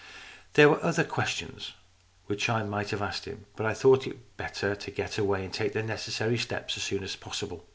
There were other questions which I might have asked him, but I thought it better to get away and take the necessary steps as soon as possible.